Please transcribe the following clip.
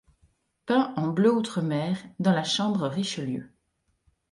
Peints en bleu outre-mer, dans la chambre richelieu.